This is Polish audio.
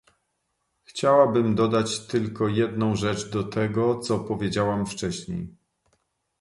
Chciałabym dodać tylko jedną rzecz do tego, co powiedziałam wcześniej